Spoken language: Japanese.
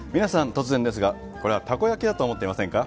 突然ですが、これはたこ焼きだと思っていませんか？